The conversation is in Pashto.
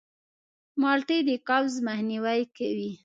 مالټې د قبض مخنیوی کوي.